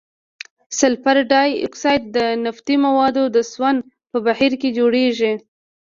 سلفر ډای اکساید د نفتي موادو د سون په بهیر کې جوړیږي.